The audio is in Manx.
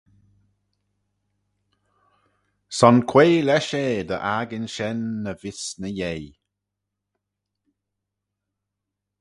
Son quoi lesh eh dy akin shen ny vees ny yei.